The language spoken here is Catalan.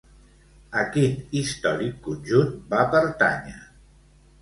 A quin històric conjunt va pertànyer?